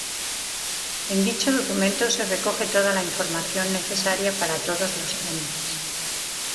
En dicho documento se recoge toda la información necesaria para todos los trámites.